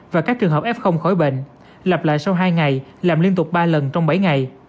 và các trường hợp f khỏi bệnh lặp lại sau hai ngày làm liên tục ba lần trong bảy ngày